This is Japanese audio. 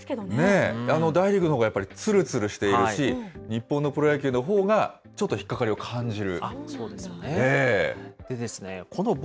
大リーグのほうがつるつるしているし、日本のプロ野球のほうが、ちょっと引っ掛かりを感じる。